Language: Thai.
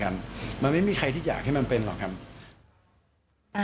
มันไม่มีใครที่อยากให้มันเป็นหรอกครับ